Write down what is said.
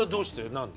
何で？